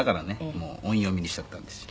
もう音読みにしちゃったんですよ」